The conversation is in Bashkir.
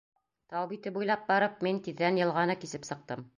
Тау бите буйлап барып, мин тиҙҙән йылғаны кисеп сыҡтым.